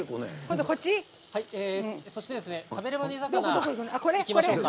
「食べれば煮魚」いきましょうか。